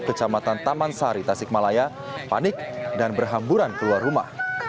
kecamatan taman sari tasikmalaya panik dan berhamburan keluar rumah